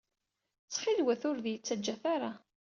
Ttxil-wet ur d-iyi-ttaǧǧat ara.